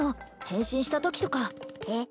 変身したときとかえっ？